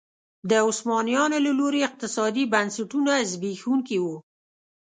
د عثمانیانو له لوري اقتصادي بنسټونه زبېښونکي وو.